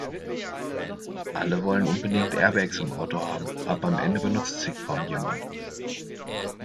Alle wollen unbedingt Airbags im Auto haben, aber am Ende benutzt sie kaum jemand.